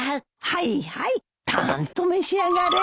はいはいたんと召し上がれ。